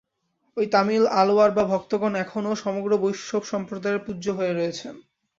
এই তামিল আলওয়াড় বা ভক্তগণ এখনও সমগ্র বৈষ্ণবসম্প্রদায়ের পূজ্য হয়ে রয়েছেন।